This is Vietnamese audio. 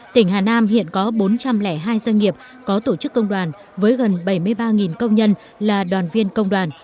tỉnh hà nam hiện có bốn trăm linh hai doanh nghiệp có tổ chức công đoàn với gần bảy mươi ba công nhân là đoàn viên công đoàn